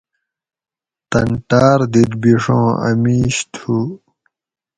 تن ٹاۤر دیت بیڛوں اۤ میش تھو